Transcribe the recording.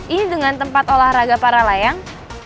ini dengan tempat olahraga para layang